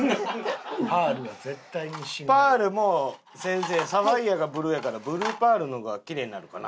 パールも先生サファイアがブルーやからブルーパールの方がキレイになるかな？